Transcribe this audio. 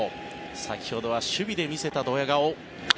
先ほどは守備で見せたドヤ顔。